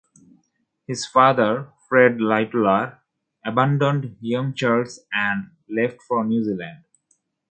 His father, Fred Lightoller, abandoned young Charles and left for New Zealand.